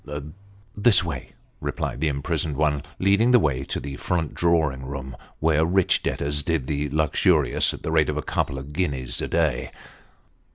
" This way," replied the imprisoned one, leading the way to the front drawing room, where rich debtors did the luxurious at the rate of a couple of guineas a day.